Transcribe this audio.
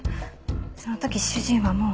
その時主人はもう。